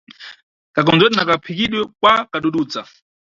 Kakondzedwe na kaphikidwe kwa kadududza.